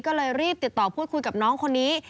ก็เลยรีบติดต่อพูดคุยกับน้องคนนี้